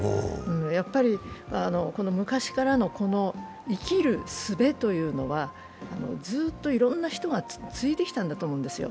やっぱり昔からの生きるすべというのは、ずっといろんな人が継いできたと思うんですよ。